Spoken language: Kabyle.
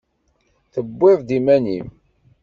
Tewwiḍ-d iman-im.